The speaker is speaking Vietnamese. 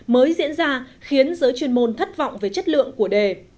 mới diễn ra khiến giới chuyên môn thất vọng về chất lượng của đề